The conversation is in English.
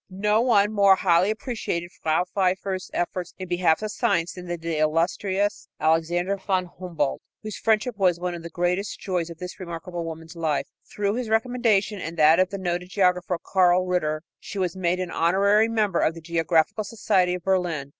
No one more highly appreciated Frau Pfeiffer's efforts in behalf of science than did the illustrious Alexander von Humboldt, whose friendship was one of the greatest joys of this remarkable woman's life. Through his recommendation and that of the noted geographer, Karl Ritter, she was made an honorary member of the Geographical Society of Berlin.